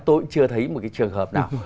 tôi cũng chưa thấy một cái trường hợp nào